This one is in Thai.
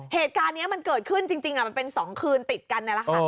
เหตุการณ์นี้มันเกิดขึ้นจริงมันเป็น๒คืนติดกันนี่แหละค่ะ